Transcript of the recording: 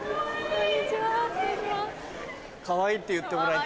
こんにちは。